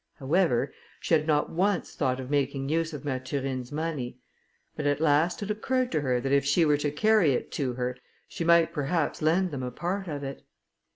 However, she had not once thought of making use of Mathurine's money; but at last it occurred to her that if she were to carry it to her, she might perhaps lend them a part of it.